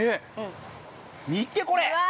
◆見て、これ。